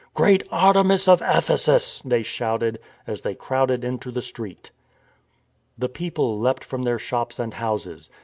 *' Great Artemis of Ephesus," they shouted as they crowded into the street. The people leapt from their shops and houses.